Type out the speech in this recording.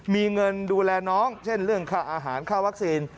มีเงินดูแลน้องเช่นเรื่องค่าอาหารค่าวัคซีน